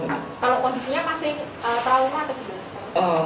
kalau posisinya masih trauma atau tidak